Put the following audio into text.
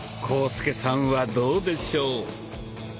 浩介さんはどうでしょう？